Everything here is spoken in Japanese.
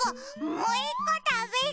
もういっこたべる！